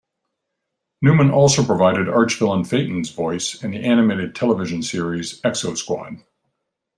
Newman also provided arch-villain Phaeton's voice in the animated television series "Exosquad".